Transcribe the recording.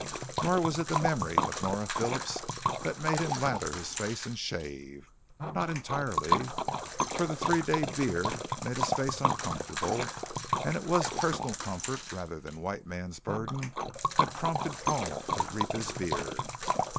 Nor was it the memory of Nora Phillips that made him lather his face and shave. Not entirely. For the three day beard made his face uncomfortable and it was personal comfort rather than White Man's Burden that prompted Paul to reap his beard.